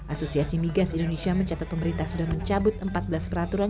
asosiasi migas indonesia mencatat pemerintah sudah mencabut empat belas peraturan